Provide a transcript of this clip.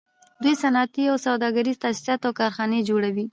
دوی صنعتي او سوداګریز تاسیسات او کارخانې جوړوي